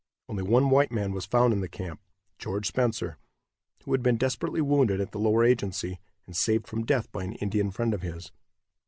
Only one white man was found in the camp, George Spencer, who had been desperately wounded at the Lower Agency, and saved from death by an Indian friend of his.